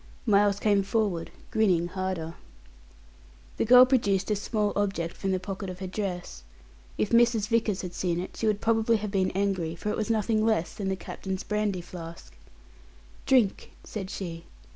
Miles came forward, grinning harder. The girl produced a small object from the pocket of her dress. If Mrs. Vickers had seen it she would probably have been angry, for it was nothing less than the captain's brandy flask. "Drink," said she.